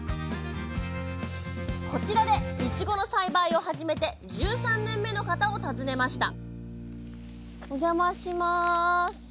こちらでいちごの栽培を始めて１３年目の方を訪ねましたおじゃまします。